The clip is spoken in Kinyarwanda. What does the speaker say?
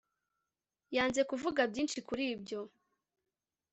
Yanze kuvuga byinshi kuri ibyo